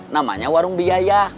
namanya warung biaya